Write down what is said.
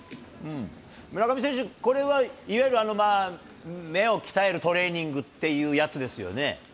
村上選手、これはいわゆる目を鍛えるトレーニングっていうやつですよね？